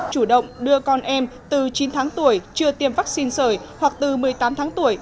chủ động đưa con em từ chín tháng tuổi chưa tiêm vaccine sởi hoặc từ một mươi tám tháng tuổi